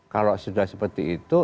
kalau sudah seperti itu